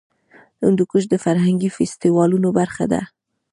هندوکش د فرهنګي فستیوالونو برخه ده.